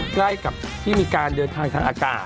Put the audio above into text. ใกล้กับที่มีการเดินทางทางอากาศ